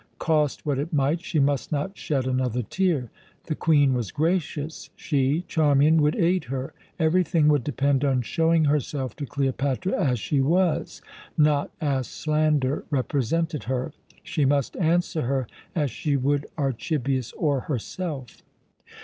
Cost what it might, she must not shed another tear. The Queen was gracious. She, Charmian, would aid her. Everything would depend on showing herself to Cleopatra as she was, not as slander represented her. She must answer her as she would Archibius or herself.